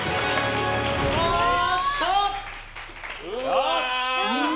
よし！